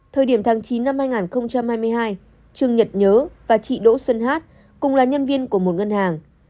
thời điểm tháng chín năm hai nghìn hai mươi hai trương nhật nhớ và chị đỗ xuân hát cùng là nhân viên của một ngân hàng